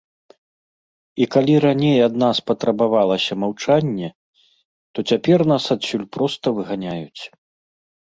І калі раней ад нас патрабавалася маўчанне, то цяпер нас адсюль проста выганяюць.